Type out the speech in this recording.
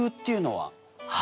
はい。